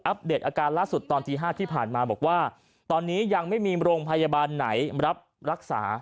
เดตอาการล่าสุดตอนตี๕ที่ผ่านมาบอกว่าตอนนี้ยังไม่มีโรงพยาบาลไหนรับรักษา